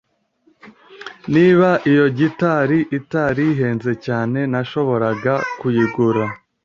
Niba iyo gitari itari ihenze cyane, nashoboraga kuyigura.